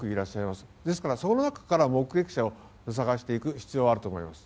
ですからその中から目撃者を探していく必要はあると思います。